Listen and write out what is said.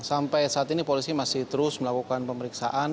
sampai saat ini polisi masih terus melakukan pemeriksaan